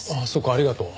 ありがとう。